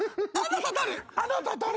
あなた誰？